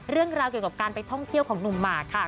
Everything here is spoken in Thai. เรื่องราวเกี่ยวกับการไปท่องเที่ยวของหนุ่มหมากค่ะ